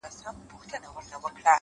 د هغه هر وخت د ښکلا خبر په لپه کي دي،